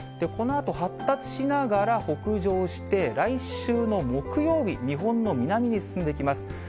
このあと、発達しながら北上して、来週の木曜日、日本の南に進んできます。